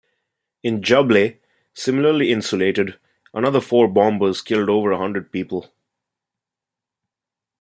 In Jableh, similarly insulated, another four bombers killed over a hundred people.